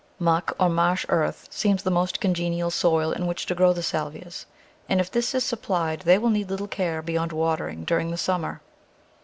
Muck or marsh earth seems the most congenial soil in which to grow the Salvias, and if this is supplied they will need little care beyond watering during the summer.